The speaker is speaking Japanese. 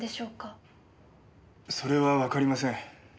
それはわかりません。